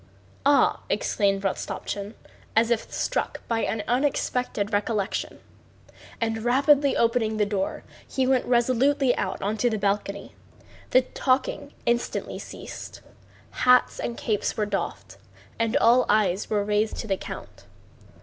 "Ah!" exclaimed Rostopchín, as if struck by an unexpected recollection. And rapidly opening the door he went resolutely out onto the balcony. The talking instantly ceased, hats and caps were doffed, and all eyes were raised to the count.